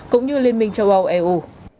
cũng như liên minh châu âu eu